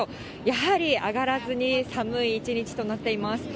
やはり上がらずに寒い一日となっています。